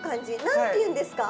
何ていうんですか？